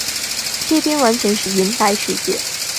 这边完全变成银白世界